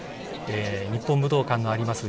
日本武道館があります